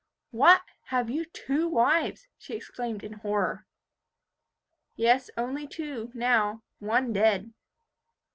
"What! have you two wives?" she exclaimed in horror. "Yes, only two, now; one dead."